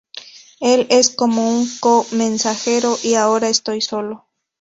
Él es como un co-mensajero y ahora estoy solo".